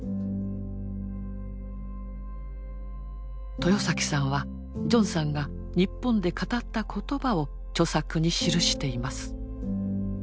豊さんはジョンさんが日本で語った言葉を著作に記しています。